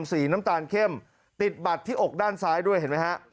สีน้ำตาลเข้มติดบัตรที่อกด้านซ้ายด้วยเห็นไหมฮะ